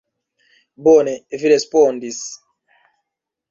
Bone vi respondis.